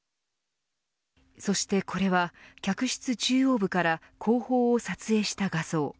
そしてこれは客室中央部から後方を撮影した画像。